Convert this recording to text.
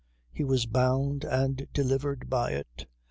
He was bound and delivered by it.